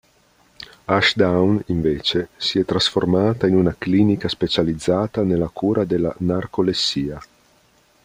Ashdown, invece, si è trasformata in una clinica specializzata nella cura della narcolessia.